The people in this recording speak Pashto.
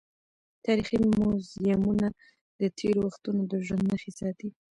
تاریخي موزیمونه د تېرو وختونو د ژوند نښې ساتي.